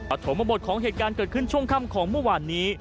ถมบทของเหตุการณ์เกิดขึ้นช่วงค่ำของเมื่อวานนี้